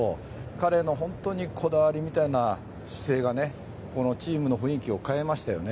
彼の、本当にこだわりみたいな姿勢がチームの雰囲気を変えましたよね。